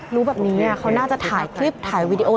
รู้แบบนี้เขาน่าจะถ่ายคลิปถ่ายวีดีโอ